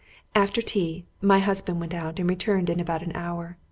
After tea, my husband went out and returned in about an hour.